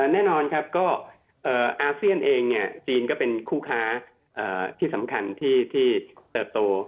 แน่นอนครับก็อาเซียนเองจีนก็เป็นคู่ค้าที่สำคัญที่เติบโต